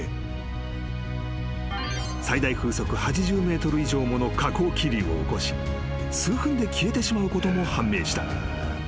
［最大風速８０メートル以上もの下降気流を起こし数分で消えてしまうことも判明した］